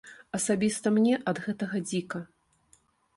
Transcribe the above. Асабіста мне ад гэтага дзіка.